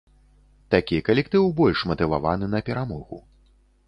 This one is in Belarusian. Такі калектыў больш матываваны на перамогу.